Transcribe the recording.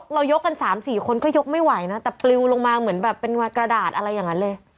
ยกกัน๓๔คนก็ยกไม่ไหวนะแต่ปลิวลงมาเหมือนแบบเป็นกระดาษอะไรอย่างนั้นเลย